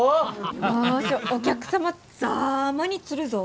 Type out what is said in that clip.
よしお客様ざぁまに釣るぞぉ！